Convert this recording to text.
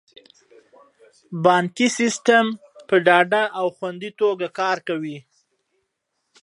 بانکي سیستم په ډاډه او خوندي توګه کار کوي.